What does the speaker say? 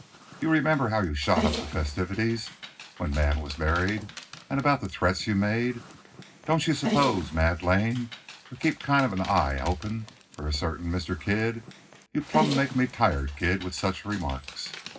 You remember how you shot up the festivities when Mad was married, and about the threats you made? Don't you suppose Mad Lane'll kind of keep his eye open for a certain Mr. Kid? You plumb make me tired, Kid, with such remarks."